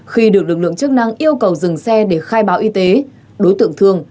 khi được lực lượng chức năng yêu cầu dừng xe để khai báo y tế đối tượng thương